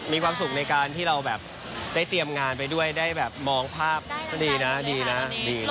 มีความสุขในการที่เราแบบได้เตรียมงานไปด้วยได้แบบมองภาพก็ดีนะดีนะดีนะ